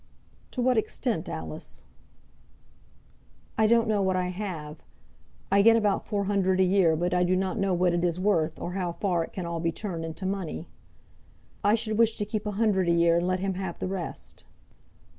"To what extent, Alice?" "I don't know what I have. I get about four hundred a year, but I do not know what it is worth, or how far it can all be turned into money. I should wish to keep a hundred a year and let him have the rest."